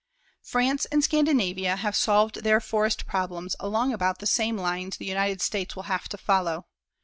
France and Scandinavia have solved their forest problems along about the same lines the United States will have to follow.